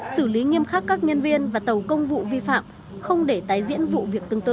xử lý nghiêm khắc các nhân viên và tàu công vụ vi phạm không để tái diễn vụ việc tương tự